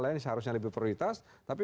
lain seharusnya lebih prioritas tapi